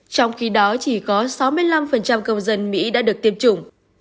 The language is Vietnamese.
trong khi đó chỉ có sáu mươi năm công dân mỹ đã được tiêm chủng